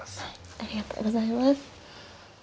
ありがとうございます。